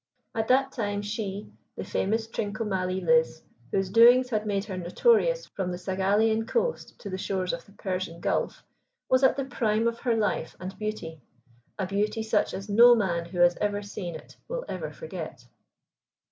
At that time she, the famous Trincomalee Liz, whose doings had made her notorious from the Saghalian coast to the shores of the Persian Gulf, was at the prime of her life and beauty a beauty such as no man who has ever seen it will ever forget.